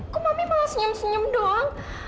kok mami malah senyum senyum doang